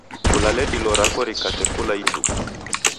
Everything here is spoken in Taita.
Kulale dilo rako rikate kula ituku.